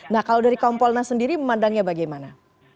nah kalau dari kompolnas sendiri memandangnya bagaimana